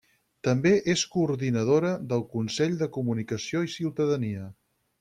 També és coordinadora del Consell de Comunicació i Ciutadania.